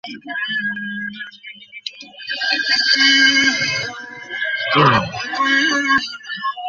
আমার কাজের মধ্যে সত্যের বীজ যদি কিছু থাকে, কালে তা অঙ্কুরিত হবেই।